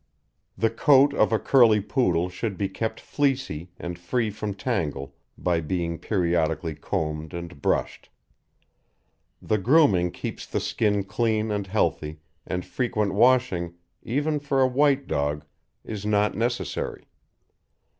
The coat of a curly Poodle should be kept fleecy and free from tangle by being periodically combed and brushed. The grooming keeps the skin clean and healthy, and frequent washing, even for a white dog, is not necessary.